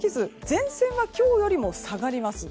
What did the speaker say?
前線は今日よりも下がります。